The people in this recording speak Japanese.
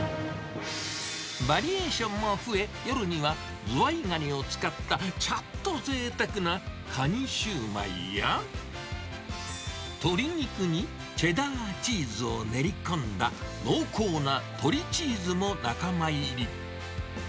バリエーションも増え、夜にはズワイガニを使ったちょっとぜいたくな蟹焼売や、鶏肉にチェダーチーズを練り込んだ濃厚な鶏チーズも仲間入り。